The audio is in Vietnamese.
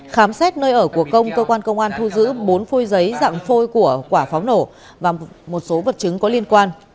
khám xét nơi ở của công cơ quan công an thu giữ bốn phôi giấy dạng phôi của quả pháo nổ và một số vật chứng có liên quan